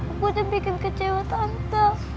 aku tuh bikin kecewa tante